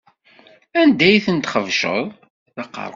Anda ay ten-txebceḍ?